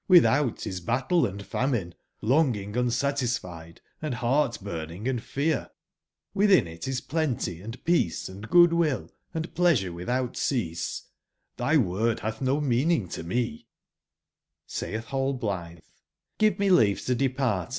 Qlitbout is battle and famine, longing unsatisfied, and heart/burning and fear; within it is plenty and peace and goodwill and pleasure witboutceaseXby word hath no meaning to me"j(^Saith nallblithe: *'6iveme leave to depart,^!